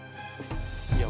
kalau ibu mau ikhlas sama rumana